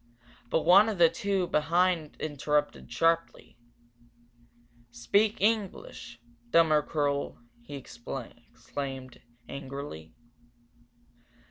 But one of the two behind interrupted, sharply. "Speak English, dummer kerl he exclaimed, angrily.